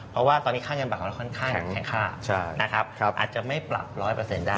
เพราะว่าตอนนี้ค่าเงินบาทของเราค่อนข้างแข็งค่านะครับอาจจะไม่ปรับ๑๐๐ได้